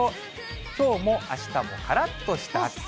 きょうもあしたもからっとした暑さ。